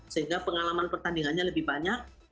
sehingga pengalaman pertandingannya lebih banyak